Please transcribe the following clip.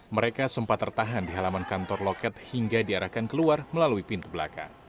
mereka sempat tertahan di halaman kantor loket hingga diarahkan keluar melalui pintu belakang